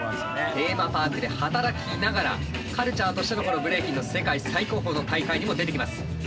テーマパークで働きながらカルチャーとしてのこのブレイキンの世界最高峰の大会にも出てきます。